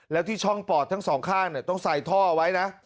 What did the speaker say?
แล้วที่ช่องปอดทั้งสองข้างต้องใส่ท่อเอาไว้นะ